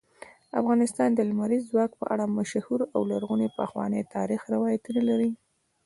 افغانستان د لمریز ځواک په اړه مشهور او لرغوني پخواني تاریخی روایتونه لري.